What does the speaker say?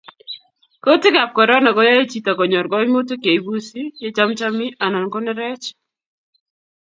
Kutikab Korona koyae chito konyor koimutik ye ibusu, ye chamchami anan konerech